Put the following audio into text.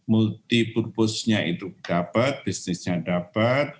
multi purpose nya itu dapat bisnisnya dapat